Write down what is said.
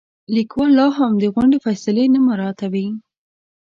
لیکوال لاهم د غونډې فیصلې نه مراعاتوي.